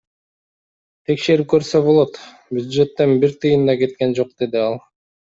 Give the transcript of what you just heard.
Текшерип көрсө болот, бюджеттен бир тыйын да кеткен жок, — деди ал.